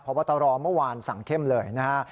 พบตรเมื่อวานสั่งเข้มเลยนะฮะ